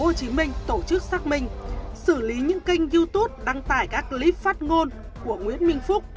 nguyễn minh phúc xác minh xử lý những kênh youtube đăng tải các clip phát ngôn của nguyễn minh phúc